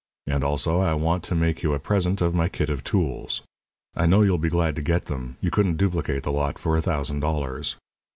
And, also, I want to make you a present of my kit of tools. I know you'll be glad to get them you couldn't duplicate the lot for a thousand dollars.